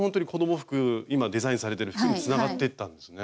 今デザインされてる服につながってったんですね。